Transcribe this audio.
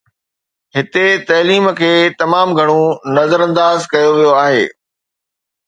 هتي تعليم کي تمام گهڻو نظرانداز ڪيو ويو آهي.